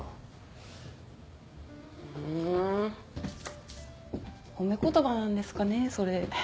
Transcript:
ふん褒め言葉なんですかねぇそれ。